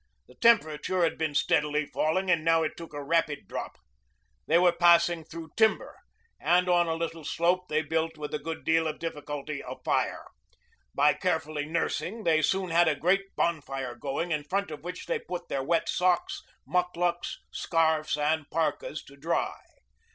The temperature had been steadily falling and now it took a rapid drop. They were passing through timber, and on a little slope they built with a good deal of difficulty a fire. By careful nursing they soon had a great bonfire going, in front of which they put their wet socks, mukluks, scarfs, and parkas to dry.